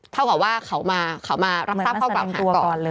เท่ากับว่าเขามารับทราบเข้ากับอาหารก่อน